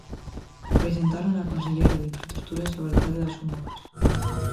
Presentárona a conselleira de Infraestruturas e o alcalde das Somozas.